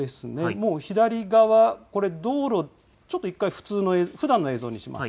もう、左側、これ道路、ちょっと一回ふだんの映像にします。